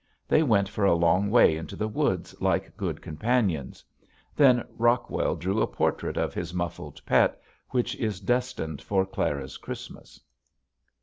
They went for a long way into the woods like good companions. Then Rockwell drew a portrait of his muffled pet which is destined for Clara's Christmas.